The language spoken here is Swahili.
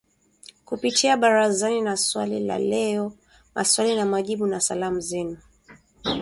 Kupitia ‘Barazani’ na ‘Swali la Leo’, 'Maswali na Majibu', na 'Salamu Zenu'